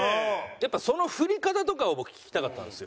やっぱその振り方とかを僕聞きたかったんですよ。